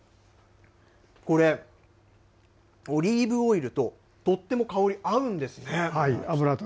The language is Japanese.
これ、オリーブオイルととっても香り合うんですね。